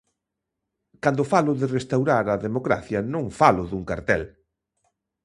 Cando falo de restaurar a democracia non falo dun cartel.